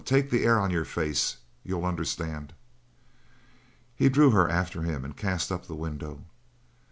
Take the air on your face. You'll understand!" He drew her after him and cast up the window.